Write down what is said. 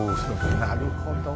なるほど。